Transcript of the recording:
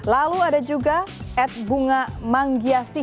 lalu ada juga ad bunga manggiasi